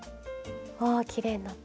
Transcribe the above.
あきれいになった。